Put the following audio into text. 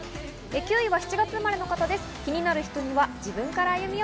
９位は７月生まれの方です。